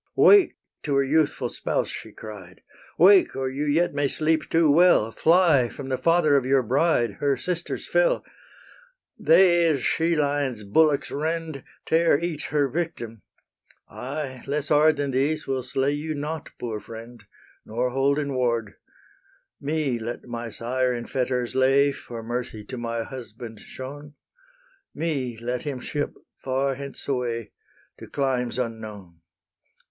"Wake!" to her youthful spouse she cried, "Wake! or you yet may sleep too well: Fly from the father of your bride, Her sisters fell: They, as she lions bullocks rend, Tear each her victim: I, less hard Than these, will slay you not, poor friend, Nor hold in ward: Me let my sire in fetters lay For mercy to my husband shown: Me let him ship far hence away, To climes unknown.